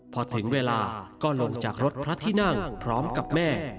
พอถึงเวลาก็ลงจากรถพระที่นั่งพร้อมกับแม่